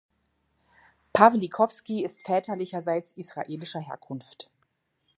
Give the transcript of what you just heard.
Pawlikowski ist väterlicherseits israelischer Herkunft.